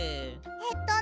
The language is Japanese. えっとね